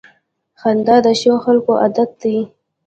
• خندا د ښو خلکو عادت دی.